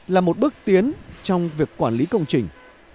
là một bước tiến trong việc quản lý công trình